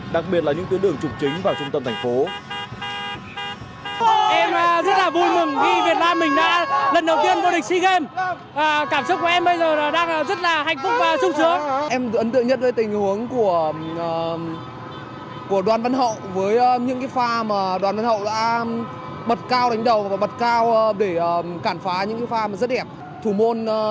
đặc biệt là những tuyến đường trục chính vào trung tâm thành phố